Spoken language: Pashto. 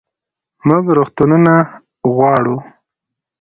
موږ روغتونونه غواړو